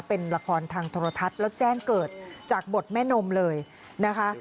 เป็นละครทางโทรทัศน์แล้วแจ้งเกิดจากบทแม่นมเลยนะคะ